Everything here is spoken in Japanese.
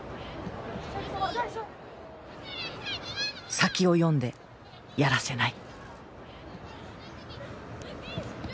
先を読んでやらせない。